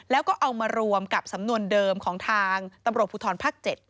แล้วก็เอามารวมกับสำนวนเดิมของธผู้ชมพุทธรรมภาค๗